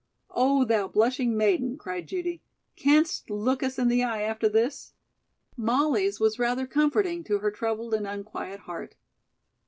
"Oh, thou blushing maiden," cried Judy, "canst look us in the eye after this?" Molly's was rather comforting to her troubled and unquiet heart.